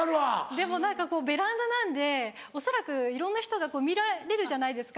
でも何かこうベランダなんで恐らくいろんな人が見られるじゃないですか。